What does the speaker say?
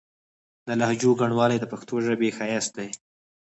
د لهجو ګڼوالی د پښتو ژبې ښايست دی.